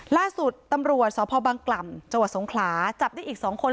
ล่าสุดตำรวจสพบังกล่ำจังหวัดสงขลาจับได้อีก๒คน